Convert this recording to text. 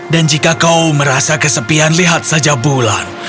dan jika kau merasa kesepian lihat saja bunyimu